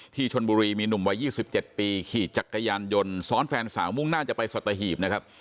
ชนบุรีมีหนุ่มวัย๒๗ปีขี่จักรยานยนต์ซ้อนแฟนสาวมุ่งหน้าจะไปสัตหีบนะครับ